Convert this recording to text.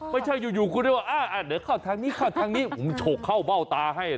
ไม่ใช่อยู่คุณได้ว่าเดี๋ยวเข้าทางนี้เข้าทางนี้ผมโฉกเข้าเบ้าตาให้